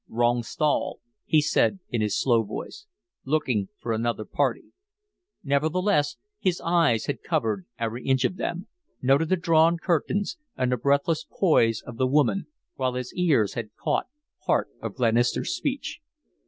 "Wrong stall," he said, in his slow voice. "Looking for another party." Nevertheless, his eyes had covered every inch of them noted the drawn curtains and the breathless poise of the woman while his ears had caught part of Glenister's speech.